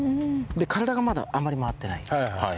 で体がまだあんまり回ってない。